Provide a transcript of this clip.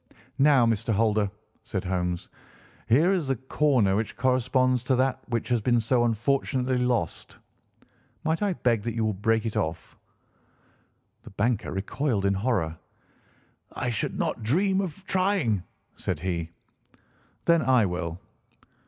"Now, Mr. Holder," said Holmes, "here is the corner which corresponds to that which has been so unfortunately lost. Might I beg that you will break it off." The banker recoiled in horror. "I should not dream of trying," said he. "Then I will."